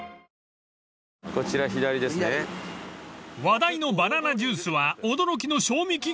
［話題のバナナジュースは驚きの賞味期限］